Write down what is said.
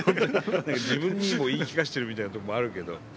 自分にも言い聞かせてるみたいなとこもあるけど。